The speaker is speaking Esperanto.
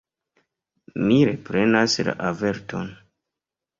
Mi reprenas la averton.